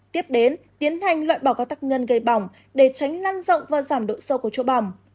tiếp đến tiến hành loại bỏ các tác nhân gây bỏng để tránh lan rộng và giảm độ sâu của chỗ bỏng